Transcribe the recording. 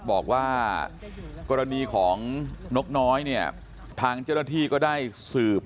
บอกว่ากรณีของนกน้อยเนี่ยทางเจ้าหน้าที่ก็ได้สืบ